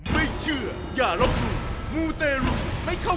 มูไนท์